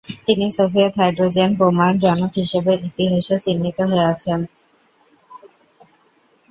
তিনি Soviet hydrogen বোমা’র জনক হিসেবে ইতিহাসে চিহ্নিত হয়ে আছেন।